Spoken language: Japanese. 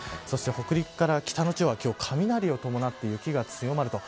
そして、北陸から北の地方は雷を伴って雪が強まる。